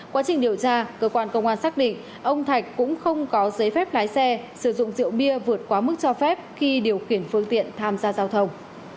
quá trình điều tra cơ quan công an xác định ông thạch cũng không có giấy phép lái xe sử dụng rượu bia vượt quá mức cho phép khi điều khiển phương tiện tham gia giao thông